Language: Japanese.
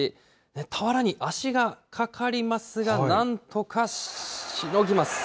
俵に足がかかりますが、なんとかしのぎます。